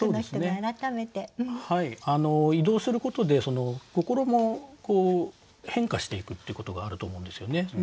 移動することで心も変化していくっていうことがあると思うんですよね。